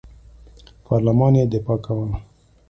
پارلمان یې دفاع کوله.